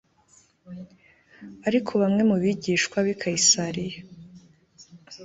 Ariko bamwe mu bigishwa b i Kayisariya